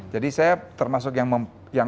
jadi saya termasuk yang mempunyai